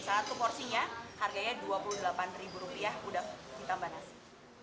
satu porsinya harganya rp dua puluh delapan rupiah udah ditambah nasi